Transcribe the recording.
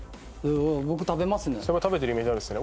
僕食べますね